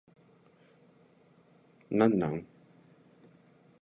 何なん